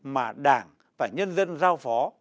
mà đảng và nhân dân giao phó